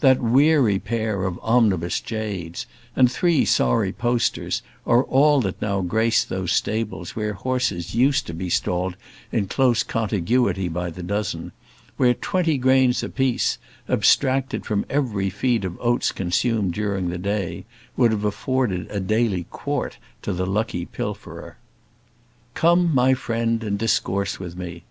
That weary pair of omnibus jades, and three sorry posters, are all that now grace those stables where horses used to be stalled in close contiguity by the dozen; where twenty grains apiece, abstracted from every feed of oats consumed during the day, would have afforded a daily quart to the lucky pilferer. Come, my friend, and discourse with me.